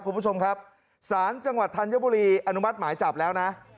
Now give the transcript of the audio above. คุณผู้ชมครับศาลจังหวัดธัญบุรีอนุมัติหมายจับแล้วนะ